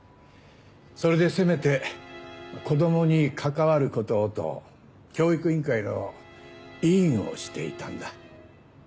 それでせめて子供に関わる事をと教育委員会の委員をしていたんだ。